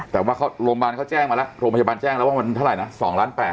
แต่ว่าโรงพยาบาลเขาแจ้งมาแล้วโรงพยาบาลแจ้งแล้วว่ามันเท่าไหร่นะ